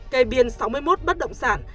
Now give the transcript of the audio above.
kê biên sáu mươi một bất động sản